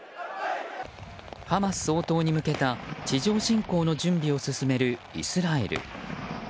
ハマス掃討に向けた地上侵攻の準備を進めるイスラエル。